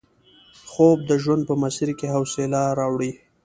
خوب د ژوند په مسیر کې حوصله راوړي